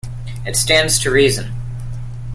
It stands to reason.